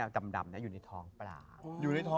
พี่ยังไม่ได้เลิกแต่พี่ยังไม่ได้เลิก